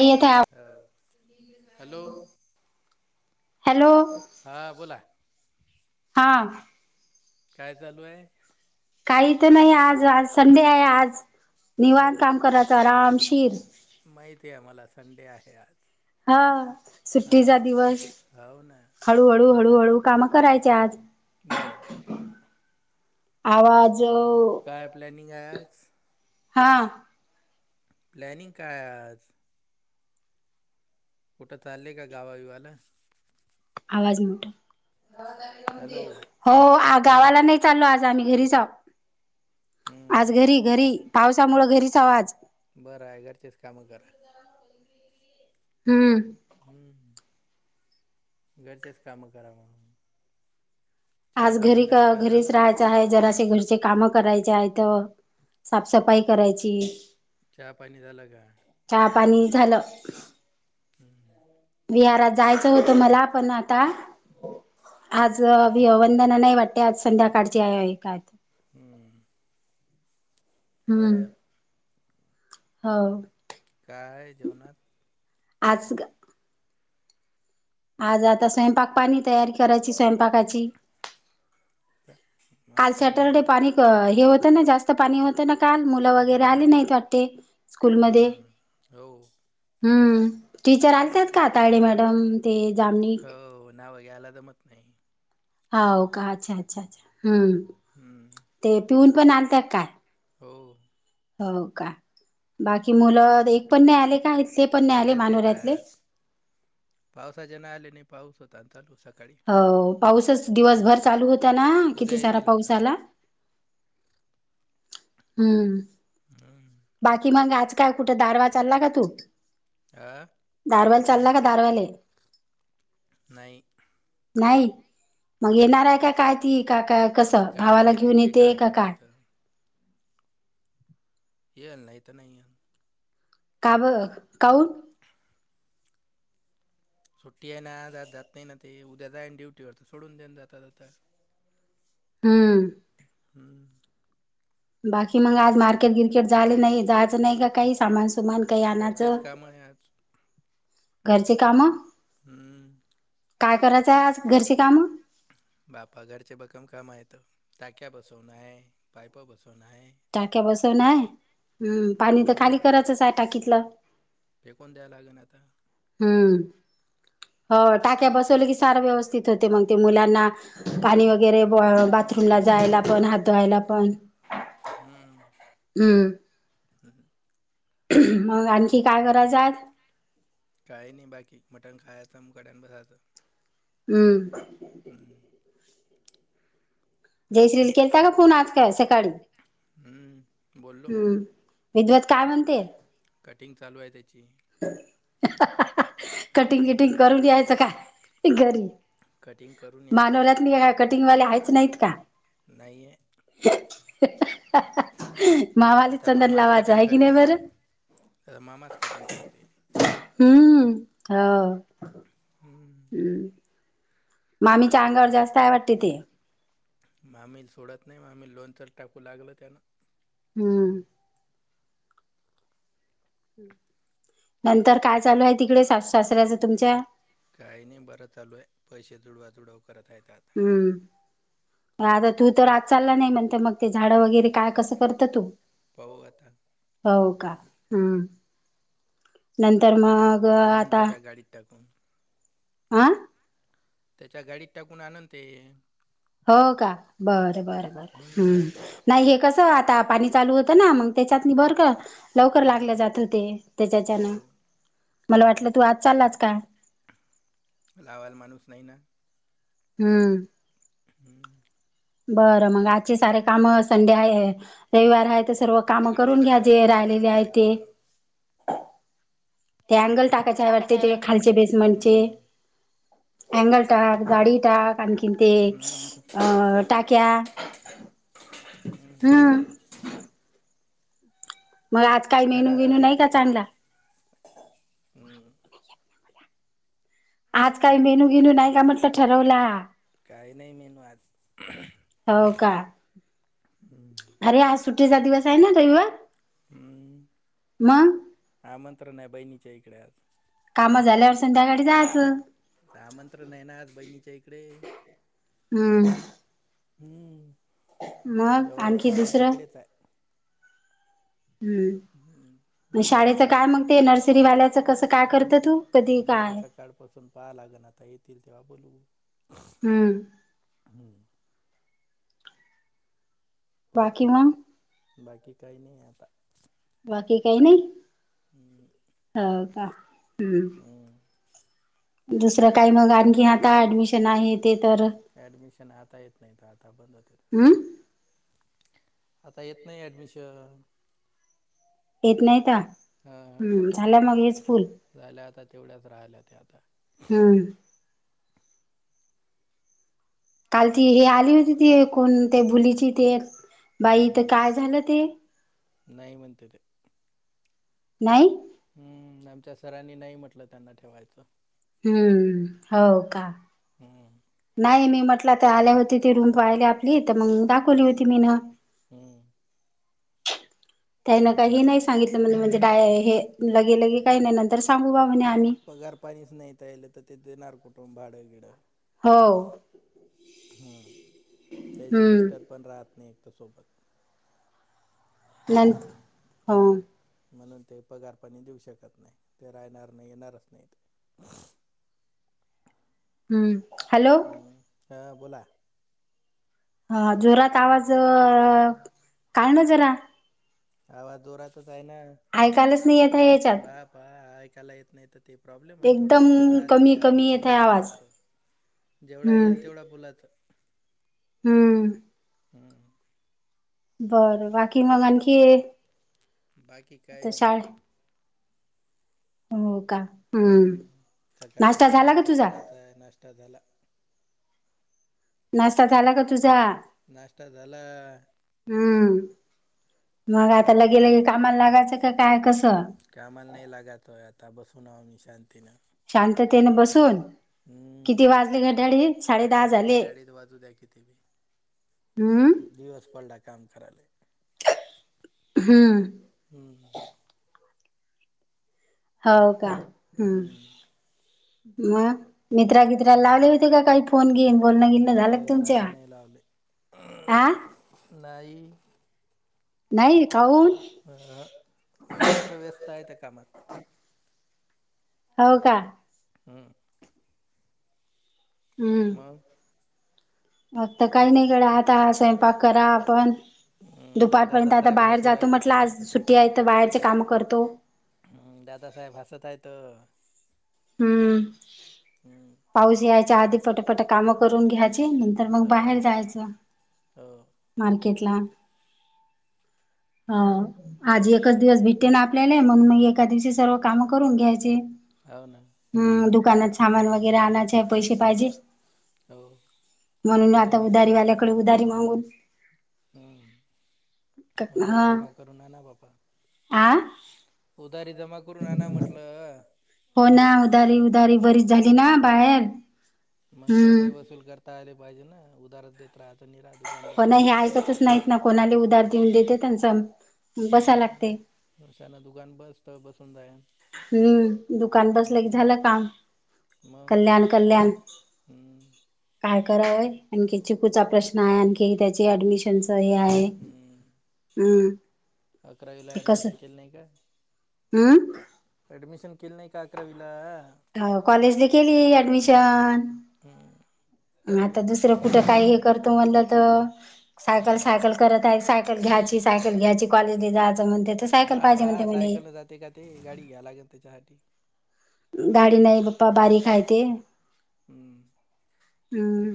येत आहे hello. Hello. हा बोला. हा. काय चालू हाय? काही तर नाही आज आज संडे आहे आज. हो निवाण काम कराच आरामशीर. माहिती आहे आम्हाला संडे आहे आज. हा सुट्टीचा हो दिवस हो ना [inaudible] हळूहळू हळूहळू काम करायचे आज. बरबर. आवाज [unintelligible] याच हा. [inaudible] प्लॅनिंग काय आज? कुठं चाले का गावाबीवाला? आवाज मोठा हॅलो [inaudible] हो आ गावाला नाही चाललो आज आम्ही घरी जाऊ [inaudible] आज घरी हम्म, घरी पावसामुळे घरीच आवाज बरं आहे घरचेच काम कर [inaudible] हम्म हम्म [inaudible] घरचेच काम करा मग चहा आज पाणी घरी नाश्ता घरीच झालं राहायचं आहे जरासे घरचे काम करायच्याथ [inaudible] साफसफाई करायची चहा पाणी दला काा चहा पाणी झालं [inaudible] [inaudible] विहारात जायचं होतं मला पण आता [inaudible] आज वि वंदना नाही वाटते आज संध्याकाडची आहे काय? [inaudible] हम्म. बराय आपल. हो. काय आहे जेवणात आजग आज आता स्वयंपाक पाणी तयारी करायची स्वयंपाकाची [inaudible] [inaudible] काल संडे आहे सॅटरडे ना पाणी हे होतं ना जास्त पाणी होतं ना काल मुलं वगैरे आली हम्म, नाहीत वाटते स्कूल मध्ये हम्म, हो [inaudible] हम्म टीचर आलतात काताायडे मॅडम ते जामनिक ना वघे आला जमत नाही [inaudible] हो का अच्छा अच्छा अच्छा हम्म हम्म. ते पिऊन पण आणतात काय हो हो का बाकी मुलं एक पण नाही आले का इथले पण नाही आले सगळेच मानोऱ्यातले येतात [inaudible] पावसाच्या ना आले नाही पाऊस होता आणि चालू सका हो पाऊसच दिवसभर चालू होता ना उद्या किती सारा येतील पाऊस आता. आला हम्म हम्म. [inaudible] बाकी मग आज काय कुठे दारवा चालला का तू आ दधारवाल चालला का दधारवाल [inaudible] नाही नाही मग हम्म. येणार आहे काय काय ती का काय कस काय भावाला माहिती घेऊन ते येते का करते काय तर. ये नाही तर नाही आहे का ब काऊ सुट्टी आहे ना आज आज जात नाही ना ते उद्या जाईन ड्युटीवरर तर सोडून देन जाता जाता हम्म हम्म बाकी मग आज मार्केट गिरकेट झाले नाही जायचं नाही काही सामान सुमान काही घरचेच आणाचं कामं आहे आज. घरचे काम हम्म काय करायचंय आज घरची काम बापा घरचे बकम काम आहे टाक्या बसवण आहे पायप बसवण आहे टाक्या बसवणय हम्म पाणी तर खाली मग करायचच आहे टाकीतलं फेकून द्यावं लागेन आता. हम हो टाक्या बसवलं की सारं व्यवस्थित होते मग ते मुलांना पाणी वगर वगैरे हम्म. बाथरूम ला जायला पण हात ुवायला हम्म हम्म हम्म मग आणखी काय करायचं आज काळे नाही बाकी मटण खायचंकडन बसाचं हम्म जयश्री ला केलता का फोन आज काय सकाळी बोलो हम्म विद्वत काय म्हणते कटिंग चालू आहे त्याची कटिंग किटिंग करून दयचं का घरी? कटिंग करून यायचं मानवलात नाही का कटिंगवाले हायच नाहीत का? नाही आहे मावाला तथ चंदन मामाच लावायचं कटिंग आहे की नाही करते बरं आ मामाच कटिंग करते हम् हा हम्म ममी चांगावर जास्त आहे वाटते ते मामीील सोडत नाही मामी लोनचर टाकू लागलं त्यान [unintelligible] हम्म नंतर काय चालू आहे तिकडे शासऱ्याच तुमच्या काही नाही बरं चालूय पैसे दुडवा तुडव करत आहेत आता हम्म आता तू तर आज चालला नाही म्हणत मग ते झाडं वगैरे काय कसं करत तू पाऊ आता हो का हम नंतर मग आनंद आता त्याच्या गाडीत टाकून आह त्याच्या गाडीत टाकून आणनते हो का बरं बर बर हम्म नाही हे कस आता पाणी चालू होतं ना? मग त्याच्यात बर- लवकर लागले हम्म, जातील ते हो त्याच्याच्यान. मला वाटलं तू आज चाललाच का. लावायला माणूस नाही का? हम्म. हम्म बरं मग आजचे सारे काम, संडे आहे रविवार आहे- ते सर्व काम सगळेच करून करा घ्याचेे लागते आता राहिलेले आहे काय ते. करा ते अँगल टाकायचे आहे वाटते ते खालचे बेसमेंटचे. हम्म अँंगल टाक, गाडी टाक, आणखीन ते हम्म अ- क्या हम्. मग आज काही मेनू करावंच बिनू नाही लागते का चांगला? हम्म आज काही मेनू बिनू नाही का म्हटलं ठरवला? काही नाही मेनू आज. हो का? हम्म अरे आज सुुटीचा दिवस आहे ना? रविवार. हम्म. मग आमंत्रण आहे बहिणीच्या इकडे आज. काम झाल्यावर संध्याकाळी जायचं. आमंत्रण आहे ना आज बहिणीच्या इकडे. हम्म हम्म. मग जेवण आणखी खावण दुसरं? तिकडेच आहे हम्म. बिर्याणी शाळेच काय खायचं मगते नर्सरीवाल्याचं कसं काय करतात? सोमवारी सकाळ पासून पहाव लागल आता येतील तेव्हा बोलू. हम्म. हम्म पाहू बाकी मंग? बाकी काही नाही आहे आता. बाकी काही नाही. हम्म हो का? हम्. हम्म दुसरं काही मग आणखी आता ऍडमिशन आहेत. ऍडमिशन आता येत नाही तर आता बंद होते. हम्म आता येत नाही ऍडमिशन. येत नाहीता. हा. झाल्या आता तेवढ्याच राहिल्या त्या आता. हम्म काल ती हे आली होती. ती कोण? ते भुलीची ती एक - बाई ईथं काय झालं ते? नाहीय म्हणते ते नाही? हम्म. आमच्या सरांनी नाही म्हटलं त्यांना ठेवायचं. हम्म. हो. हम्म. नाही मी म्हटलं ते आल्या होती ती रूम पाहिले आपली तर मग दाखवली होती मीन. हम्म. त्यान काही नाही सांगितलं मले. म्हणजे काय हे लगे लगे काही नाही नंतर सांगू बा. म्हणे आम्ही पगार पाणीच नाही तहिला तर ते देणार कुठुन भाडं बिडं? हो हम्म. त्याच हम्म मिस्टर पण राहत नाही. त्यासोबत. ल हो. म्हणूनच ते पगारपणी देऊ शकत नाही. ते राहणार नाही येणारच नाही ते. हम्म हॅलो. ह बोला. हा जोरात आवाज कारयण जरा आवाज जोरातच आहे ना ऐकायलाच नाही येत आहे याच्यात बापा ऐकायला येत नाही तर ते प्रॉब्लेम आहे थोडा एकदम इश्यू राहते कमी कमी आपण येत आहे बोलत आवाज राहत जेवढा हम्म येईल तेवढा बोलात हम्म हम्म बर बाकी मग आणखी बाकी काही नाही शाळे हो हम्म सकाळच्या नाश्ता झाला का जेवणाचा तुझा कराचा आहे नाश्ता झाला नाश्ता झाला ग तुझा नष्ट झाला हम्म मग आता हम्म लगे लगे कामाला लागायचं का काय कसं कामाला नाही लागतोय आता बसून हो मी शांतीन शांततेन बसुन हम्म किती वाजले घड्याळीत साडे दहा झाले घड्याळीत वाजू द्या किती बी हम्म दिवस पडला काम करायले हम्म हम्म हो का हम् हम्म मग मित्रागित्रा लावले होते काही फोन गिन मित्रावित्राले नाही लावले आ नाही नाही काऊन [inaudible] हो का हम्म हम्म मग ते काही नाही गड्या आता ह स्वयंपाक करा आपण हं, दुपारपर्यंत आता दादासाहेब बाहेर हसू जातो राहिले तर म्हटलं, आज सुट्टी आहे तर बाहेरचे काम करतो हम् दादा साहेब हसत आहेत. हम्म हं. पाऊस यायच्या आधी पटापट काम करून घ्यायचे‌. नंतर मग हो बाहेर जायचं हो मार्केटला ह आज एकच दिवस भेटते ना आपल्याले म्हणून मग एका दिवशी सर्व काम करून घ्यायचे. हो ना हम्म दुकानात सामान वगैरे आणायचे पैसे पाहिजे हो पैसे म्हणुन दिले आता नाही का मग उधारीवाल्याकडे उधारी मागून हं. [inaudible] उधारी जमा करू ना आना बापा आ उधारी जमा करुन आना म्हटलं हो ना उधारी, उधारी बरीच झाली ना बाहेर मग तेवढे हम्म वसुल करता आले पाहिजे ना उदाहरण देत राहायच निर्हा पण हे ऐकतच नाहीत ना कोणाला उधार देऊन देते च हम्मशान दुकान बसत बसून जायना [inaudible] हम्म दुकान बसलं की झालं काम. मग कल्याण कल्याण हं. काय करावंय आणखी चिकूचा प्रश्न आहे, आणखी त्याची ऍडमिशनच सही आहे हम्म हम्. अकरावीला ऍडमिशन केलं नाही का? हम्म? एडमिशन केलं नाही का अकरावीलाआ? हो कॉलेजला केली आहे ऍडमिशन. हम्म आता दुसरं कुठे काय हे करतो म्हणलं तर सायकल, हम्म सायकल करत आहे सायकल घ्यायचीच आहे सायकल घ्यायची कॉलेज ला जायचं म्हणुन बा बा सायकल न जाते का ते गाडी घ्याय लागेल त्याच्यासाठी गाडी नाही बप्पा बारीक हाय ते हम्म. हम्म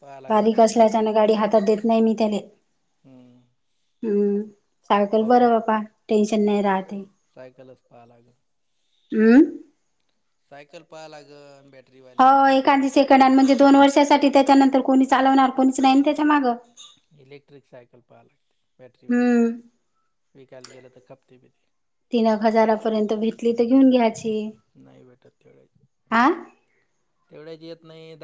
पाहा लागेल बारीक नंतर असल्याच्याने गाडी हातात देत नाही मी त्याले हम्म. हम् सायकल बरं बापा टेन्शन नाही राहते. साकलच पाहा लागल. हम्म? सायकल पाहा लागल भेट होय एखादी सेकंड हॅड म्हणजे दोन वर्षासाठी त्याच्यानंतर कोणी चालवणार कोणीच नाही ना त्याच्या माग. इलेक्ट्रिक सायकल पाहा लागते. बॅटरीवरची विकायला गेलं तर खपती बी ती. तीन एक हजारापर्यंत भेटली तर घेउन घ्यायची. नाही भेटत तेवढ्याच. आ तेवढ्याच येत नाहीत.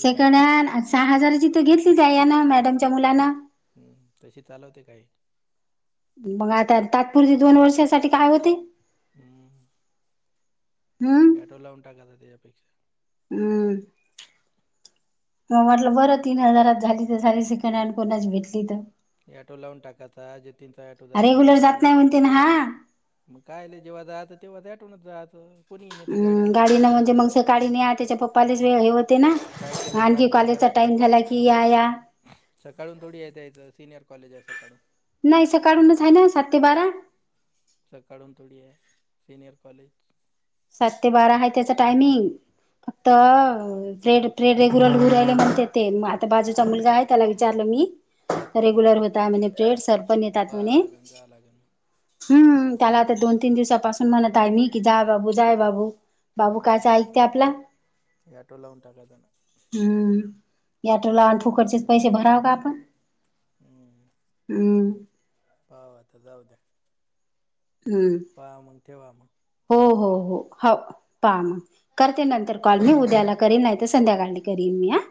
सेकंड हँड सहा हजाराची तर घेतलीच आहे या ना मॅडमच्या मुलांना हम्म तशी चालवते काय? मग आता तात्पुरती दोन वर्षासाठी काय होते? हम्म. हम्म एटो लाऊन टाका आता तेला हम्म. मग म्हटलं बरं तीन हजारात झाली तर झाली सेकंड हँड कोणाची भेटली तर. ऑटो लावून टाकायचा जतीनचा ऑटो जाते ना रेग्युलर जात नाही तिथपर्यंत. म्हणते ना हा मग कायले जेव्हा जायाच तेव्हा दाटूनच जात. हम गाडी न म्हणजे मग सकाळी न्या तेच्या पपालाच ते हे होतय. सायकलीत भानगड करायचं नाहीत की या या ते सकाळून थोडीे येता येत सिनियर कॉलेज हाय सकाळी. नाही सकाळुनच आहे ना सात ते बारा. सकाळून तोडी आहे सीनियर कॉलेज [unintelligible] सात ते बारा आहे त्याचा टायमिंग हम्म फक्त- तर ब्रेड ब्रेड रेग्युलर लह राहिले म्हणते ते आता बाजूचा मुलगा आहे त्याला विचारलं मी- [unintelligible] रेग्युलर हम्म होता म्हणजे प्रेड सर पण येतात पाहावं म्हणे- लागेल जावं लागेल मग हम्म त्याला आता दोन, तीन दिवसापासून म्हणत आली कि जा बाबू, जा बाबू, बाबू हम्म. कायच ऐकते आपला ॲटो लावून टाकायचा ना हम्म. या टोला आणि फुकटचेच पैसे भराव का आपण हम्म. पाहु आता जाऊद्या. हम्म बा मग ठेवा मग- हो, हो, हो, हो, पाहा मग करते नंतर कॉल मी उद्याला करीन, नाही तर संध्याकाळ करीन. [inaudible]